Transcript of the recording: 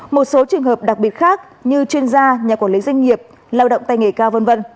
một số trường hợp đặc biệt khác như chuyên gia nhà quản lý doanh nghiệp lao động tay nghề cao v v